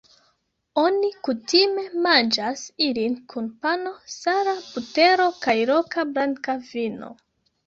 Oni kutime manĝas ilin kun pano, sala butero kaj loka blanka vino.